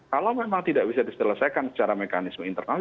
kalau memang tidak bisa diselesaikan secara mekanisme internal